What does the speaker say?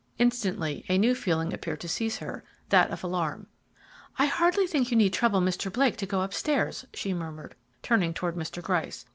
Instantly a new feeling appeared to seize her, that of alarm. "I hardly think you need trouble Mr. Blake to go up stairs," she murmured, turning towards Mr. Gryce.